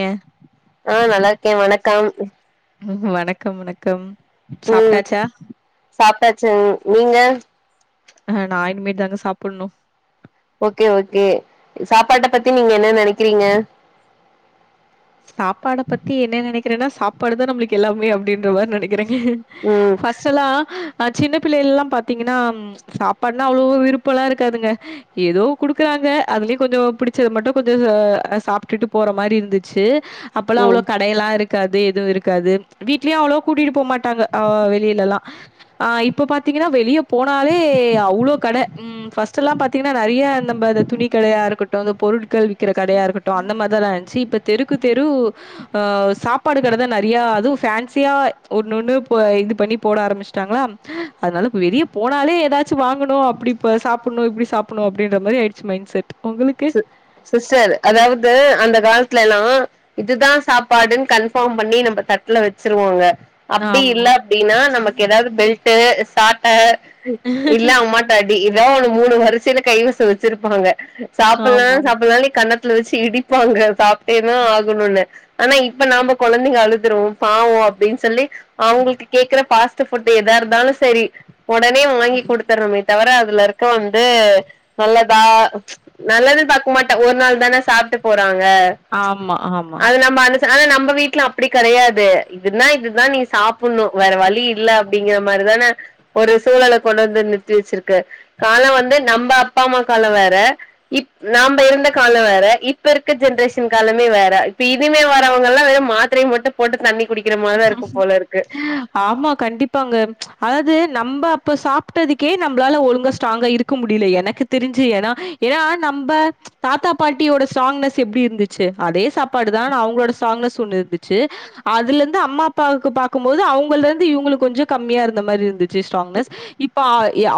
ஏ ஆ நல்லா இருக்கே வணக்கம் ம் வணக்கம் வணக்கம் ம் சாப்ட்டாச்சா? சாப்டாச்சு நீங்க ஆ நா இனிமே தாங்க சாப்புனோ ஓ கே ஓ கே சாப்பாட பத்தி நீங்க என்ன நெனைக்கிறீங்க சாப்பாடை பத்தி என்ன நெனைக்கிறேன்னா சாப்பாடு தா நமக்கு எல்லாமே அப்புடின்ற மாரி நெனைக்கிறேங்க ம் ஃபஸ்டேல அ சின்ன பிள்ளைல பாத்தீங்கன்னா சாப்பாடுனா அவ்ளோவ் விருப்பலா இருக்காதுங்க ஏதோ கொடுக்குறாங்க அதுலயு கொஞ்சோ பிடிச்சது மட்டோ கொஞ்சோ அ சாப்டுட்டு போற மாரி இருந் சி அப்பொலா ம் அவ்ளோவ் க வேலயெல்லா இருக்காது எதுவு இருக்காது வீட்லேயுஅவ்ளோவ் கூட்டிட்டு போ மாட்டாங்க அ வெளிலலா ஆ இப்ப பாத்தீங்கன்னா வெளியே போனாலே அவ்லோவ் கடை ம் ஃபர்ஸ்ட் எல்லா பாத்தீங்கன்னா நறைய நம்ப அத துணி கடையா இருக்கட்டும் இந்த பொருட்கள் விக்கிற கடையா இருக்கட்டும் அந்த மாதிரிதானே இருந்திச்சி இப்போ தெருக்கு தெரு அ சாப்பாடு கடைதா நறைய அதுவு ஃபேன்சியா ஒன்னொன்னு இது பண்ணி போட ஆரம்பிச்சுட்டாங்களா அதனால வெளிய போனாலே ஏதாச்சு வாங்கணு அப்பிடி சாப்புடனோ இப்பிடி சாப்புடனோ அப்புடின்ற மாதிரி ஆயிடுச்சு மைண்ட் செட் உங்களுக்கு? சி சிஸ்டர் அதாவது அந்த காலத்துலெல்லா இதுதா சாப்பாடுன்னு கன்ஃபார்ம் பண்ணி நம்ம தட்டுல வெச்சிருவாங்க அப்பிடி இல்ல ஆமா. அப்புடின்னா நமக்கு ஏதாவது பெல்ட்டு சாட்ட இல்ல அம்மாட் ட்ட அடி இதோ மூணு வருசையில கைவசம் வச்சிருப்பாங்க சாப்புலனானு ஆமாமா. சாப்புலனானு நி கன்னத் ல வெச்சி இடிப்பாங்க சாப்டேதா ம். ஆகனுன்னு ஆனா இப்போ நாம குழந்தைங்க அழுதுறோ பாவோ அப்புடின்னு சொல்லி அவுங்ளுக்கு கேக்குற பாஸ் ட்டு ஃபுட்டு எதா இருந்தாலு சேரி ஒடனே வாங்கி ம். கொடுத்துறோமே தவர அதுல இருக்க வந்து நல்லதா நல்லது பாக்கு மாட்ட ஒரு நாள் தானே சாப்புட்டு போறாங்க ஆமா, ஆமா. அது நம்ம ஆனா நம்ம வீட்டுல அப்புடி கெடையாது இதுன்னா இதுதா நீ சாப்புனோ வேற வழி இல்ல அப்புடிங்கிற மாறிதானே ஒரு சூழலை கொண்டு வந்து நிறத்தி வெச்சி இருக்கு காலம் வந்து நம்ப அப்பா அம்மா காலம் வேற இப் நாம இருந்த காலம் வேற இப்ப இருக்க ஜென்ரேஷன் காலமே வேற இப்ப இதுமே வரவங்க எல்லாம் வெறும் மா மாத்திரையும் மட்டும் போட்டு தண்ணி குடிக்கிற மாதிரிதான் இருக்கும் போல இருக்கு ஆமா கண்டிப்பாங்க அதாவது நம்ம அப்ப சாப்பிட்டதுக்கே நம்மளால ஒழுங்கா ஸ்ராங்க இருக் க்க முடியல எனக்கு தெரிஞ்சு ஏன்னா ஏன்னா நம்ப தாத்தா பாட்டியோட ஸ்ட்ராங்னஸ் எப்படி இருந்துச்சு அதே சாப்பாடு தான் நா அவங்களோட ஸ்ராங்னஸ் ஒண்ணு இருந்துச்சு அதுல இருந்து அம்மா அப்பாவுக்கு பாக்கும்போது அவங்க இருந்து இவங்களுக்கு கொஞ்சம் கம்மியா இருந்த மாறி இருந்துச்சு ஸ்ராங்னஸ் இப்ப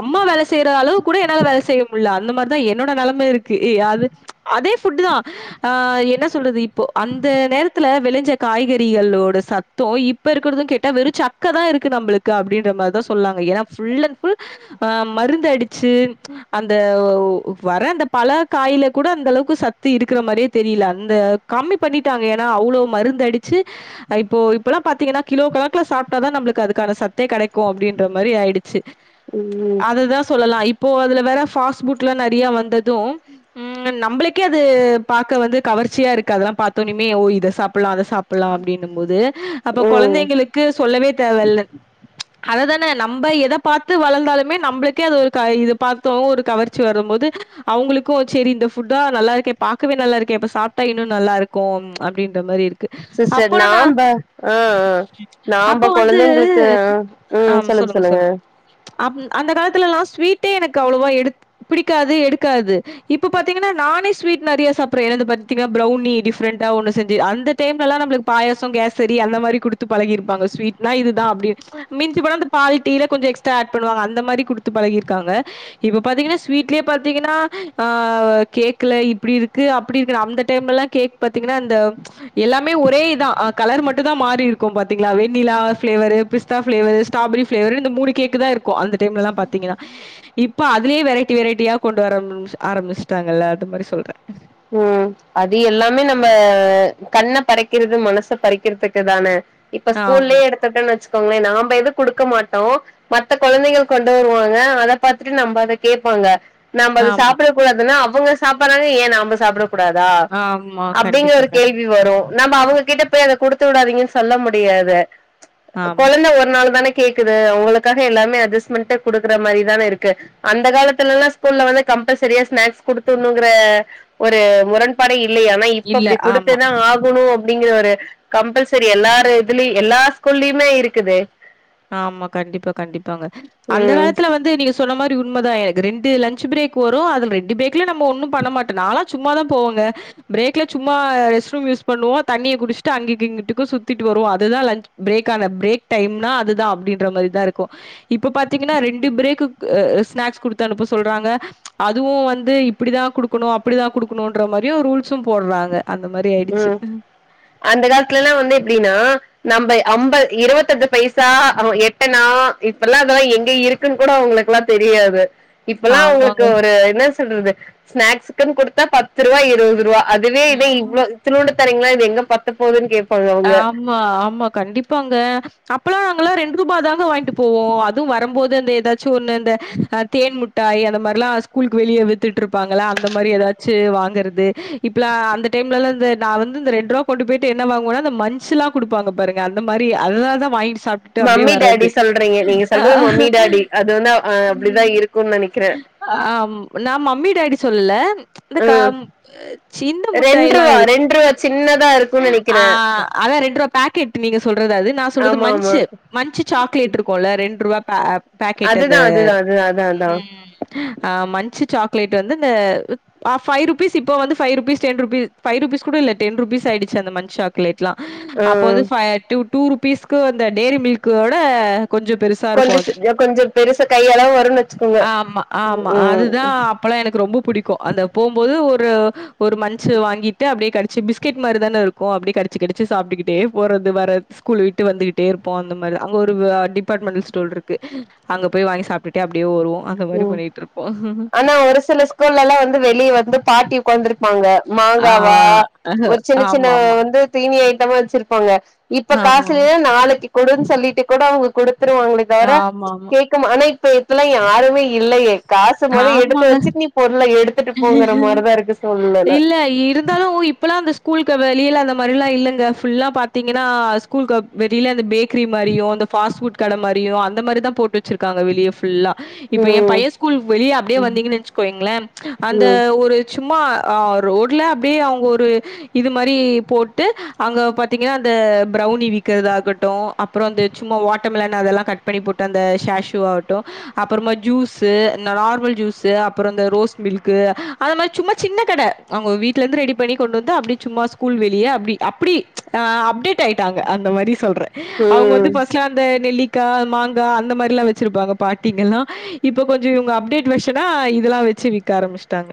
அம்மா வேல செய்யற அளவு கூட என்னால வேல செய்ய முடியல அந்த மாதிரிதான் என்னோட நிலைம இருக்குயாது அதே ஃபுட் தான் ஆ என்ன சொல்றது இப்போ அந்த நேரத்துல விளைஞ்ச காய்கறிகளோட ச த்தும் இப்ப இருக்கறதுன்னு கேட்டா வெறும் சக்க தான் இருக்கு நம்மளுக்கு அப்படின்ற மாதிரிதான் சொன்னாங்க ஏன்னா ஃபுல் அண்ட் ஃபுல் ஆ மருந்து அடிச்சு அந்த வர அந்த பல காயில கூட அந்த அளவுக்கு சத்து இருக்கிற மாறியே தெரியல அந்த கம்மி பண்ணிட்டாங்க ஏன்னா அவ்வளோ மருந்து அடிச்சு இப்போ இப்பல்லாம் பாத்தீங்கன்னா கிலோ கணக்குல சாப்பிட்டா தான் நம்மளுக்கு அதுக்கான சத்தே கிடைக்கும் அப்படின்ற மாறி ஆயிடு ம் அததான் சொல்லலாம் இப்போ அதுல வேற பாஸ்ட்ஃபுட் எல்லாம் நிறைய வந்ததும் ம் நம்மளுக்கே அது பாக்க வந்து கவர்ச்சியா இருக்கு அதெல்லாம் பாத்தோனுமே ஓ இதை சாப் சாப்பலாம் அத சாப்பிடலாம் அப்படின்னும் போது அப்ப ம் குழந்தைங்களுக்கு சொல்லவே தேவல்ல [inaudible] அததானே நம்ம எத பாத்து வளந்தாலுமே நம்மளுக்கே அது ஒரு க இது பாத்தோம் ஒரு கவர்ச்சி வரும் போது அவங்களுக்கும் சரி இந்த ஃபுட்டா நல்லா இருக்கே பாக்கவே நல்லா இருக்கே இப்ப சாப்பிட்டா இன்னும் நல்லா இருக்கும் அப்படின்ற மாறி இருக்கு சிஸ்டர் அப்பலா நான் நாம்ப ஆ ஆ நாம்ப அப்போ வந்து கொழந்தைங்களுக்கு ஆமா சொல்லுங்க சொல்லுங்க அ அந்த காலத்துல எல்லாம் ஸ்வீட்டே எனக்கு அவ்வளோவா எடுக் பிடிக்காது எடுக்காது இப்ப பாத்தீங்கன்னா நானே ஸ்வீ்ட் நிறைய சாப்படுறே பாத்தீ ப பிரௌனி டிஃப்ரண்டா ஒன்னு செஞ்சு அந்த தேம்லல்லாம் நம்மளுக்கு பாயசம் கேசரி அந்த மாதிரி கொடுத்து பழகிருப்பாங்க ஸ்வீட்னா இதுதான் அப்டின்னு மிஞ்சு போனா அந்த பாதி டீயில கொஞ்சம் எக்ஸ்ட்ரா ஆட் பன்னுவாங்க அந்த மாதிரி குடுத்து பழகிருக்காங்க இப்ப பாத்தீங்கன்னா ஸ்வீட்லயே பாத்தீங்கன்னா ஆ கேக்ல இப்படி இருக்கு அப்படி இருக்கு அந்த டைம்ல எல்லாம் கேக் பாத்தீங்கன்னா அந்த எல்லாமே ஒரே இதா கலர் மட்டு தா மாறி இருக்கு பாத்தீங்களா வெண்ணிலா ஃபிளேவரு பிஸ்தா ஃபிளேவரு ஸ்ட்ராபெரி ஃபிளேவர் இந்த மூணு கேக்கு தா இருக் கு அந்த டைம்லல்லா பாத்தீங்கன்னா இப்ப அதுலயே வெரைட்டி வெரைட்டியா கொண்டு வரம்ச் ஆரம்பிச்சிட்டாங்கல்ல அது மாரி சொல்றே ம் அது எல்லாமே நம்ம கண்ண பறைக்கிறது மனச பறிக்கிறதுக்கு தான இப்ப ஆமா, ஸ்கூல்லயே எடுத்துட்டன் வெச்சுக்கோங்களேன் நாம்ப எது குடுக்க மாட்டோ மத்த கொழந்தைகள் கொண்டு வருவாங்க அத பாத்துட்டு நம்ப அத கேப்பாங்க நாம அது ஆமா, சாப்பிட கூடாதுன்னா அவுங்க சாப்பறாங்க ஏ நாம சாப்பிட கூடாதா ஆமா. அப்டிங்கற கண்டிப்பா, ஒரு கண் கேள்வி வரு நம்ம அவுங்க கிட்ட போய் அத குடுத்து விடாதீங்கன் சொல்ல முடியாது ஆமா. கொழந்த ஒரு நாள் தான கேக்குது அவங்களுக்காக எல்லாமே அட்ஜஸ்ட்மெண்டே குடுக்குற மாரி தான இருக்கு அந்த காலத்துலல்லா ஸ்கூல்ல வந்து கம்பல்சரியா ஸ்நாக்ஸ் குடுத்துணுங்கிற ஒரு முரண்பாடே இல்லயே ஆனா இப்ப இல்ல. அப்டி குடுத்து ஆமா. தா ஆக ணு அப்டிங்கற ஒரு கம்பல்சரி எல்லார் இதுலயு எல்லா ஸ்கூல்லிமே இருக்குது ஆமா கண்டிப்பா கண்டிப்பாங்க அந்த ம் காலத்துல வந் து நீங்க சொன்ன மாரி உண்மதா எனக்கு ரெண்டு லன்ச் பிரேக் வரு அதுல் ரெண்டு பிரேக்ல நம்ம ஒண்ணு பண்ண மாட்டோ நாலா சும்மாதா போவாங்க பிரேக்ல சும்மா ரெஸ்ட் ரூம் யூஸ் பண்ணுவோ தண்ணிய குடிச்சிட்டு அங்கிக்கு இங்கிட்டுக்கு சுத்திட்டு வருவோ அதுதா லன்ச் பிரேக் ஆன பிரேக் டைம்னா அதுதா அப்டின்ற மாரி தா இருக்கு இப்ப பாத்தீங்கன்னா ரெண்டு பிரேக்கு அ ஸ்நாக்ஸ் குடுத்து அனுப்ப சொல்றாங்க அதுவு வந்து இப்டி தா குடுக்கணு அப்டி தா குடுக்கணுன்ற மாரியு ரூல்ஸு போட்றாங்க அந்த மாரி ஆயிடுச்சு ம் அந்த காலத்துலல்லா வந்து எப்டின்னா நம்ம அம்ப இருவத்தஞ்சு பைசா அவ எட்டனா இப்பெல்லா அதெலா எங்க இருக் குன் கூட அவுங்களுக்கெல்லா தெரியாது இப்பல்லா அவுங்களுக்கு ஆமாங்க. ஒரு என்ன சொல்றது ஸ்நாக்குன் குடுத்தா பத்துருவா இருவ்துருவா அதுவே இத ம். இவ்ளோ இத்தனூண்டு தறீங்ளா இது எங்க பத்த போகுதுன் கேப்பாங்க அவுங்க ஆமா ஆமா கண்டிப்பாங்க அப்பெல்லா நாங்கல்லா ரெண்ட்ருபா தாங்க வாய்ண்ட்டு போவோ அது வரம் போது அந்த எதாச்சு ஒன்னு இந்த அ தேன் முட் டாய் அந்த மாரிலா ஸ்கூலுக்கு வெளிய வித்துட்ருப்பாங்கள அந்த மாரி எதாச்சு வாங்கறது இப்பல அந்த டைம்ல இந்த நா வந்து இந்த ரெண்ட்ருவா கொண்டு போயிட்டு என்ன வாங்குவன்னா இந்த மஞ்சிலா குடுப்பாங்க பாருங்க அந்த மாரி அததா தா வாய்ண்ட்டு சாப் மம்மி டேடி சொல்றீங்க நீங்க சொல்றது மம்மி டாடி அது வந்து அ அப்டிதா இருக்குன் நெனைக்கிறே ஆ நா மம்மி டாடி சொல்லல இந்த உம் கம் அ சின்ன ரெண்டு முட்டாய்லா ரூபா இருக்கு ரெண்டு ரூபா சின்னதா இருக்கும்னு ஆ நினைக்கிறேன் அதா ரெண்ட்ருவா பேக் பாக்கெட் நீங்க சொல்றதது நா சொல்றது ஆமா ஆமா மஞ்ச்சு மஞ்ச்சு சாக்லேட்ருக்குல்ல ரெண்ட்ருவா பே பேக் ட்டு அந்த அதுதான் அதுதான் அதுதான் அதான் அதான் அ மஞ்சு சாக்லேட் வந்து இந்த ஆ ஃபை ருப்பீஸ் இப்போ வந்து ஃபை ருப்பீஸ் டென்ருப்பீ ஃபைருப்பீஸ் கூட இல்ல டென்ருபீஸ் ஆயிடுச்சு அந்த மஞ்ச் சக்லேட்லா அப்ப வந்து உம் பை டூ டூ ருபீஸ்க்கு அந்த டேரி மில்கோட கொஞ்ச பெருசா இருக்கும் அது. கொஞ்ச கொஞ்ச பெருசு கையளவு வருன் ஆமா ஆமா அதுதா அப்பல்லா எனக்கு ரொம்ப புடிக்கு அந்த போம்போது ஒரு ஒரு மஞ்சு வாங்கிட்டு அப்டியே கடிச்சு பிஸ் கெட் மாரிதான இருக்கு அப்டியே கடிச்சு கடிச்சு சாப்ட்டுக்கிட்டே போறது வரது ஸ்கூல் விட்டு வந்துகிட்டே இருப்போ அந்த மாதிரி அங்க ஒரு டிபார்ட்மெண்டல் ஸ்டோர் இருக்கு அங்க போய் வாங்கி சாப்பிட்டுட்டே அப்படியே வருவோ அந்த மாதிரி ம் பண்ணிட்டு இருப்போ ஆனா ஒரு சில ஸ்கூல்ல எல்லாம் வந்து வெளியே வந்து பாட்டி உ க்காந்திருப்பாங்க ஆ மாங்காவா ஒரு சின்ன சின்ன ஆமாமா. வந்து திணி ஐட்டமா வச்சிருப்பாங்க இப்ப காசு ஆமா. இல்லான நாளைக்கு கொடு சொல்லிட்டு கூட அவங்க கொடுத்துருவாங்களே தவிர ஆமாமா. கேட்க ஆன இப்பத்துல யாரு இப்ப இல்லையே காசு முத எடுத்து ஆமாங்க. வச்சு நீ பொருளை எடுத்துட்டு போங்கற மாதிரிதா இருக்கு சூழ்நிலை இப்பல்லா அந்த ஸ்கூலுக்கு வெளியில அந்த மாதிரல்லா இல்லங்குல்லா புல்லா பாத்தீங்கன்னா ஸ்கூ வெளியில அந்த பேக் இட்லி மாரியு ஃபாஸ்புட்டுகடை மாதிரியு அந்த மாதிரதா போட்டு வச்சிருக்கா வெளிய புல்லா இப்ப என் ம் பய வெளியே அப்படியே வந்தீங்கன்னு நினைச்சுக்கீங்களே அந்த ம் ஒரு சும்மா ரோட்ல அப்படியே அவங்க ஒரு இது மாதிரி போட்டு அங்க பாத்தீங்கன்னா அந்த பிரௌனி விக்கிறத ஆகட்டு அப்புற அந்து சும்மா வாட்டர்மிலான அதெல்லாம் கட் பண்ணி போட்டு அந்த ஷேஷூ ஆகட்டும் அப்புறமா ஜூஸ் நார்மல் ஜூஸு அப்புறம் இந்த ரோஸ் மில்கு அந்த மாதிரி சும்மா சின்ன கடை அவங்க வீடல இருந்து ரெடி பண்ணி கொண்டு வந்த அப்படி சும்மா ஸ்கூல் வெளியே அப்படி அப்படி் அப்டேட் ஆயிட்டாங்க அந்த மாரி சொல்றே அவங்க வந்து ம் பஸ்ட்லா அந்த நெல்லிக்காய் மாங்காய் அந்த மாதிரி எல்லா வச்சிருப்பாங்க பாட்டிங்கல்லா இப்ப கொஞ்சம் இவங்க அப்டேட் வச்சன்னா இதெல்லா வச்சு விக்க ஆரம்பிச்சுட்டாங்க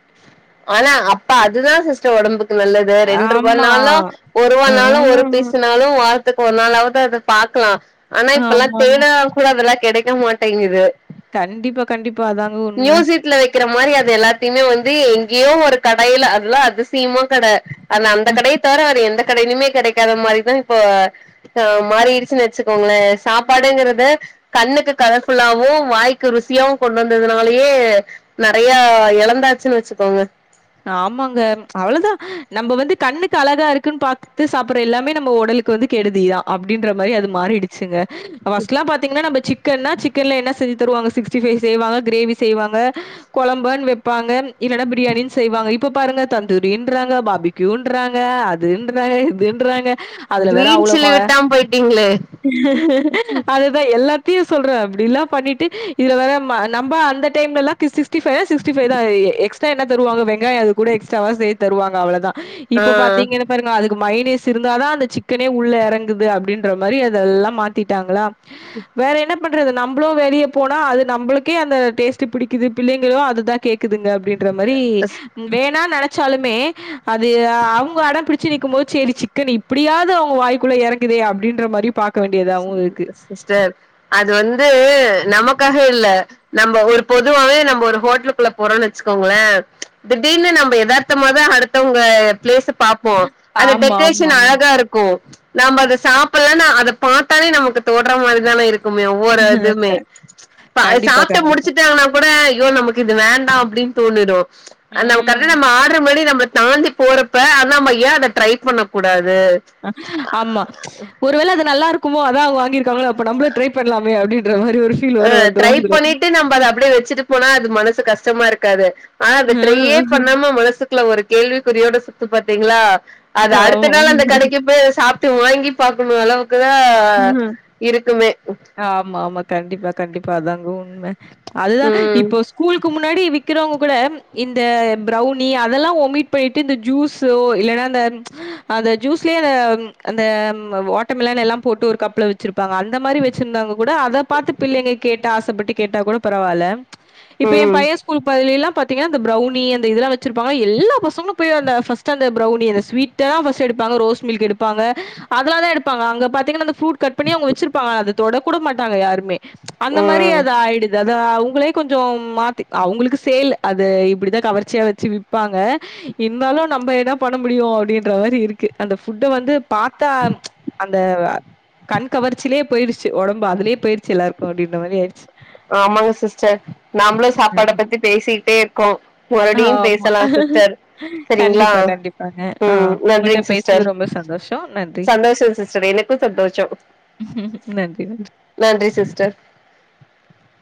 ஆனா அப்ப அதுதா சிஸ்டர் உடம்புக்கு நல்லது ரெண்டு ரூப ஆமா. நாலும் ஒரு ரூப நாலு ஒரு ம். பீஸ்னாலு வா இப்ப ஒரு நாளாவது அதது பாக்கலா ஆனா இப்பெல்லா ஆமாமா. தேன கூட அதெல்லா கிடைக்க மாட்டேங்குது கண்டிப்பா கண்டிப்பா அதாங்க உண்மை விக்கிற மாதிரி அது எல்லாத்தையுமே வந்து எங்கேயோ ஒரு கடையில அதுல்லா அதிசீமா கடை ஆன அந்த கடைய தரவ வேற எந்த கடையிலுமே கிடைக்காத மாரிதா இப்ப ஆ மாறிடுச்சுன்னு வச்சுக்கோங்களே சாப்பாடுங்கறத கண்ணுக்கு கலர்ஃபுல்லாவு வாய்க்கு ருசியாவு கொண்டு வந்ததுனாலயே நெறைய இழந்தாச்சுன்னு வச்சுக்கோங்க ஆமாங்க அவ்வளவுதா நம்ம வந்து கண்ணுக்கு அழகா இருக்குன்னு பாத்துட்டு சாப்பிடுற எல்லாமே நம்ம உடலுக்கு இப்ப வந்து கெடுதிதா அப்டின்ற மாதிரி அது மாறிடுச்சுங்க ஃபஸ்ட்லா பாத்தீகன்னா நம்ம சிக்கன்னா சிக்கன்ல என்ன செஞ்சு தருவாங்க சிக்ஸ் சிக்ஸ்டீ ஃபைவ் செய்வாங்க கிரேவி செய்வாங்க குழம்பன்னு பாங்க இல்லனா பிரியாணி செய்வாங்க இப்ப பாருங்க தந்தூரின்றாங்க பாபிக்யூன்றாங்க அதுன்றாங்க இதுன்றாங்க அதுல வேற கிரீன் அவ்வளோ சில்லி மொ விட்டாம போயிட்டீங்களே அது அதா எல்லாத்தையு சொல்றே அப்டில்லா பண்ணிட்டு இதுல வேற நம்ம அந்த டைம்ல எல்லா கிசு கிஸ் சிக்ஸ்டி ஃபைவ்னா சிக்ஸ்டி ஃபைவ் தா எக்ஸ்ட்ரா என்ன தருவாங்க வெங்காயோ அது கூட எக்ஸ்ட்ராவா சேத் தருவாங்க அவ்ளோ தா இப்ப ஆ பாத்தீங்கன்ன பாருங்க அதுக்கு மைனேஸ் இருந்தாதா அந்த சிக்கனே உள்ள எறங்குது அப்படின்ற மாதிரி அதெல்லா மாத்திட்டாங்களா வேற என்ன என்ன பண்றது நம்மளு வெளிய போனா அது நம்மளுக்கே அந்த டேஸ்டே பிடிக்குது பிள்ளைங்களு அத தா கேக் குதுங்க அப்படின்ற வேணா நினைச்சாலுமே அது அவங்க அடம் புடிச்சி நிக்கு போது சரி சிக்குனு அப்படியாது அவங்க வாய்க்குள்ள எறங்குதே அப்டின்ற மாரி பா சிஸ்டர் அது வந்து நமக்காக இல்ல நம்ம ஒரு பொதுவாவே நம்ம ஒரு ஹோட்டலுக்குள்ள போறோம்னு வச்சுக்கோங்களே திடீர்னு நம்ம எதார்த்தமாதா அடுத்தவங்க பிளேஸ்ஸ பாப் ஓ அந்த ஆமா, ஆமா, டெக்கரேஷன் ஆமா. அழகா இருக்கும் நம்ம அத சாப்புலானு அத பாத்தாலே நமக்கு தோன்ற மாரிதான இரு க்குமே ஒவ்வொரு க இதுவுமே அத கண்டிப்பா, சாப்ட்டு கண்டிப்பா. முடிச்சுட்டாங்கனா கூட ஐயோ நமக்கு இது வேண்டாம் அப்படின்னு தோணிடும் ஆனா கரக்ட ம். நம்ம ஆடர் பண்ணி நம்ம தாண்டி போறப்ப ஆ நம்ம யா அத ட்ரை பண்ண கூடாது அ ஆமா ஒருவேள அது நல்லா இருக்குமோ அதான் அவங்க வாங்கி ருக்காங்களோ அப்ப நம்மளும் ட்ரை பண்ணலாமே அப்படின்ற மாதிரி ஒரு ஃபீல் வேற வந்துரும் அதுல வாங்கி நம்ம அத அப்படியே வச்சுட்டு போனா அது மனசு கஷ்டமா இருக்காது ஆனா அத ட்ரையே ம். பண்ணாம மனசுக் குள்ள ஒரு கேள்விக்குறியோட சுத்து பாத்தீங்களா அது அடுத்த நாள் அந்த ஆமா. கடைக்கு போய் சாப் ட்டு வாங்கி பாக்கணும் அளவுக்குதான் இருக்குமே ஆமா ஆமா கண்டிப்பா கண்டிப்பா அதாங்க உண்ம அதுதான் ம் இப்போ ஸ்கூலுக்கு முன்னாடி வி க்கிறவங்க கூட இந்த ப்ரௌனி அதெல்லாம் ஒமிட் பண்ணிட்டு இந்த ஜூஸோ இல்லன்னா இந்த அந்த ஜூஸ்லேயே அந்த அந்த வாட்டர்மில்லன் எல்லாம் போட்டு ஒரு கப்ல வச்சிருப்பாங்க அந்த மாரி வச்சிருந்தாங்க கூட அதை பாத்து பிள்ளைங்க கேட்ட ஆசைப்பட்டு கேட்டா கூட பரவால்ல இப்ப என் ம் பையன் ஸ்கூல் பகுதிலல்லாம் பாத்தீங்கன்ன அந்த ப்ரௌணி அந்த இதெல்லாம் வச்சிருப்பாங்க எல்லா பசங்களும் போய் அந்த பஸ்ட் அந்த பிரௌனிய அந் ஸ்வீட் டதா பஸ்ட் எடுப்பாங்க ரோஸ் மில்க் எடுப்பாங்க அதெல்லாம் தா எடுப்பங்க அங்க பாத் தீங்கன்னா அந்த ஃரூட் கட் பண்ணி அவுங்க வச்சிருப்பாங்க அத தொட கூட மாட்டாங்க யாருமே அந்த மாதிரி ம் அத ஆயடு து அத அவங்களே கொஞ்சம் மாத்தி அவங்களுக்கு சேல் அது இப்டிதான் கவர்ச்சியா வச்சு விப்பாங்க இருந்தாலும் நம்ம என்ன பண்ண முடியும் அப்டின்ற மாரி இருக்கு அந்த ஃபுட்டு வந்து பாத்தா அந்த கண் கவர்ச்சிலே போயிடுச்ச ஒடம்பு அதுலயே போயிடுச்சு எல்லாருக்கும் அப்டின்ற மாரி ஆயிச்சு ஆமாங்க சிஸ்டர் நாமளும் சாப்பாட ஆமா. பத்தி பேசிட்டே க்கோம் மறுபடியும் ஆமா. பேசலாம் சிஸ்டர் சரிங்களா கண்டிப்பா, கண்டிப்பாங்க. ஆ ம் உங்கள்ட்ட நன்றிங்க சிஸ் டர் பேசுனது ரொம்ப சந்தோஷம். நன்றி. சந்தோஷம் சிஸ்டர் எனக்கும் சந்தோஷம் நன்றி ந ம் நன்றி சிஸ்டர்